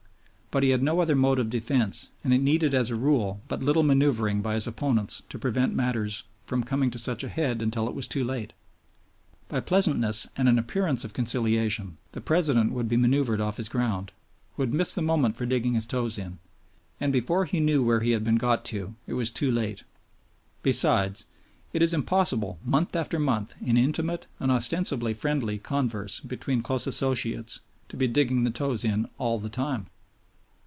But he had no other mode of defense, and it needed as a rule but little manoeuvering by his opponents to prevent matters from coming to such a head until it was too late. By pleasantness and an appearance of conciliation, the President would be manoeuvered off his ground, would miss the moment for digging his toes in, and, before he knew where he had been got to, it was too late. Besides, it is impossible month after month in intimate and ostensibly friendly converse between close associates, to be digging the toes in all the time.